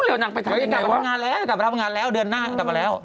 เดี๋ยวนางไปทำงานแล้วเดือนหน้าก็กลับมาแล้ว